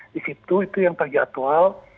di situ itu yang terjatual